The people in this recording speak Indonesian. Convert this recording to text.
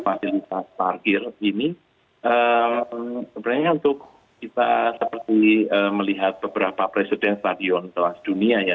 fasilitas parkir ini sebenarnya untuk kita seperti melihat beberapa presiden stadion kelas dunia ya